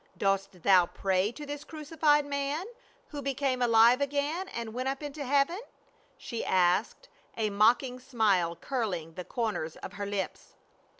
" Dost thou pray to this crucified man, who became alive again and went up into heaven?" she asked, a mock ing smile curling the corners of her lips.